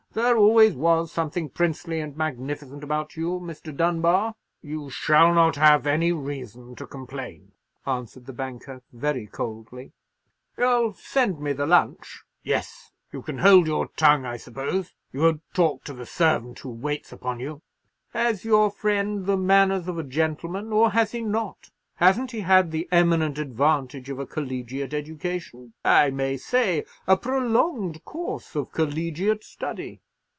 There always was something princely and magnificent about you, Mr. Dunbar." "You shall not have any reason to complain," answered the banker, very coldly. "You'll send me the lunch?" "Yes. You can hold your tongue, I suppose? You won't talk to the servant who waits upon you?" "Has your friend the manners of a gentleman, or has he not? Hasn't he had the eminent advantage of a collegiate education—I may say, a prolongued course of collegiate study?